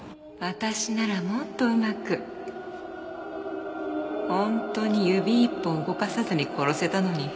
私ならもっとうまく本当に指一本動かさずに殺せたのに。